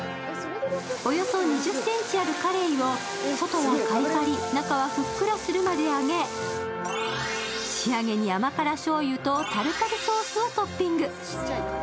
およそ２０ｃｍあるかれいを外はカリカリ、中はふっくらするまで揚げ、仕上げに甘辛しょうゆとタルタルソースをトッピング。